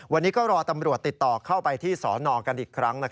วันนี้ก็รอตำรวจติดต่อเข้าไปที่สอนอกันอีกครั้ง